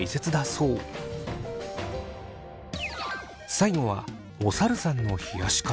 最後はおさるさんの冷やし方。